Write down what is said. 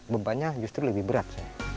bebannya justru lebih berat